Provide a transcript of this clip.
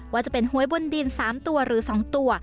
ว่าจะเป็นหวยบนดิน๓ตัวหรือ๒ตัว